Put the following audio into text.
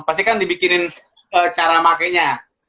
pasti kan dibikinin cara pakainya